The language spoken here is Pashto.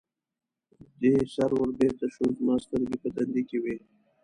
دې سره ور بېرته شو، زما سترګې په تندي کې وې.